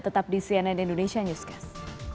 tetap di cnn indonesia newscast